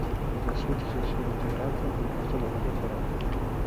La suite sensori integrata è composta da vari apparati.